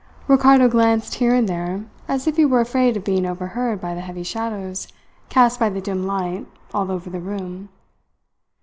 Ricardo glanced here and there, as if he were afraid of being overheard by the heavy shadows cast by the dim light all over the room.